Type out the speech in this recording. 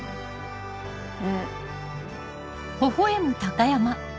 うん。